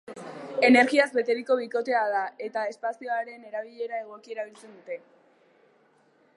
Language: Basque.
Energiaz beteriko bikotea da, eta espazioaren erabilera egoki erabiltzen dute.